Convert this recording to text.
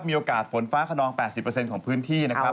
มีโอกาสฝนฟ้าขนอง๘๐ของพื้นที่นะครับ